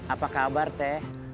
apa kabar teh